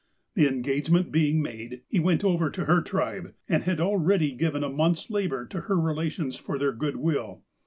The engage ment being made, he went over to her tribe, and had already given a month's labour to her relations for their good will.